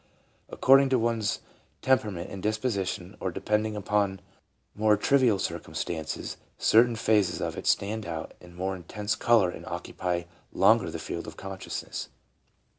According to one's temperament and disposition, or depending upon more trivial circumstances, certain phases of it stand out in more intense color and occupy longer the field of consciousness.